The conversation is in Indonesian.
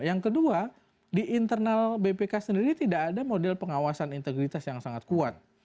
yang kedua di internal bpk sendiri tidak ada model pengawasan integritas yang sangat kuat